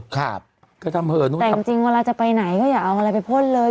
ครับแต่จริงเวลาจะไปไหนก็อย่าเอาอะไรไปพ่นเลย